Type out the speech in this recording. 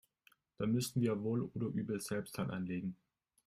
Da müssen wir wohl oder übel selbst Hand anlegen.